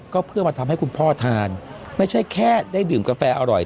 ก็เพื่อมาทำให้คุณพ่อทานไม่ใช่แค่ได้ดื่มกาแฟอร่อย